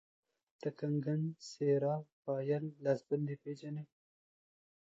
ته کنګڼ ،سيره، پايل، لاسبندي پيژنې